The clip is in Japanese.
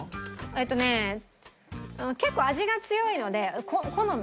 えっとね結構味が強いので好み。